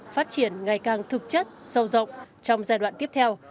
phát triển ngày càng thực chất sâu rộng trong giai đoạn tiếp theo